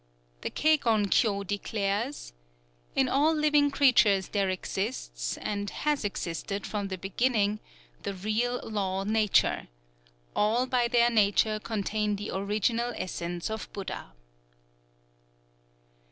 _" "_The Kegon Kyō declares: 'In all living creatures there exists, and has existed from the beginning, the Real Law Nature: all by their nature contain the original essence of Buddha.